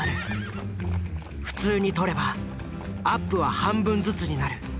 普通に撮ればアップは半分ずつになる。